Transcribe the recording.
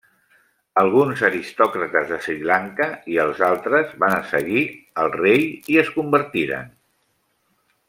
Alguns aristòcrates de Sri Lanka i els altres van seguir el rei i es convertiren.